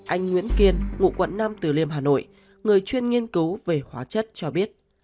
anh nguyễn kiên ngụ quận năm từ liêm hà nội người chuyên nghiên cứu về hóa chất cho biết